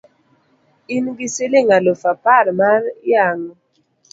in gi siling' aluf apar mar yang'o?